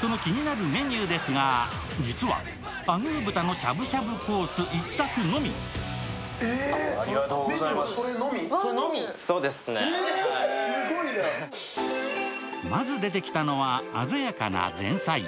その気になるメニューですが、実はアグー豚のしゃぶしゃぶコースの一択のみまず出てきたのは、鮮やかな前菜。